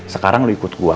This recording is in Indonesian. sekarang lu ikut gue